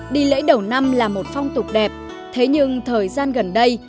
đi lễ đầu năm là một phong tục đẹp thế nhưng thời gian gần đây